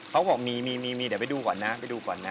เขาก็บอกมีเดี๋ยวไปดูก่อนนะ